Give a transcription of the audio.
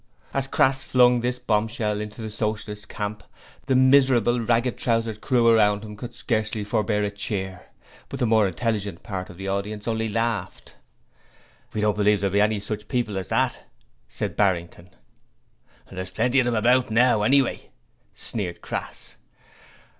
As Crass flung this bombshell into the Socialist camp, the miserable, ragged trousered crew around him could scarce forbear a cheer; but the more intelligent part of the audience only laughed. 'We don't believe that there will be any such people as that,' said Barrington. 'There's plenty of 'em about now, anyway,' sneered Crass.